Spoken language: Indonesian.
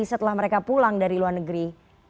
setelah mereka pulang dari luar negeri